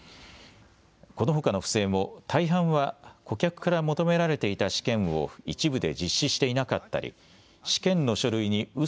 このほかの不正も大半は顧客から求められていた試験を一部で実施していなかったり試験の書類にう